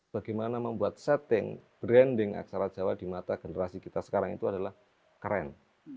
bagaimana membuat setting branding aksara jawa di mata generasi kita sekarang itu adalah keren